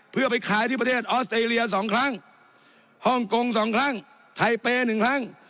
เพื่อไปขายที่ประเทศออสเตรเลีย๒ครั้งฮ่องกง๒ครั้งไทเป๑ครั้ง